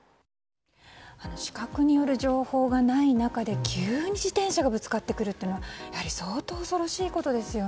視覚による情報がない中で急に自転車がぶつかってくるってやはり相当恐ろしいことですよね。